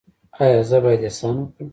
ایا زه باید احسان وکړم؟